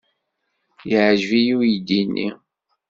Yeɛjeb-iyi uydi-nni.